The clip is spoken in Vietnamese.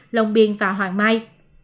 lòng biên và hoàng mai